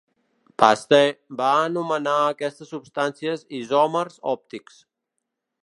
Pasteur va anomenar a aquestes substàncies isòmers òptics.